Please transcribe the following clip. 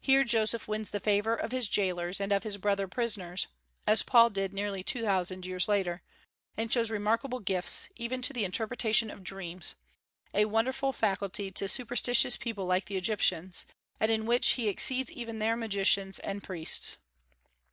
Here Joseph wins the favor of his jailers and of his brother prisoners, as Paul did nearly two thousand years later, and shows remarkable gifts, even to the interpretation of dreams, a wonderful faculty to superstitious people like the Egyptians, and in which he exceeds even their magicians and priests.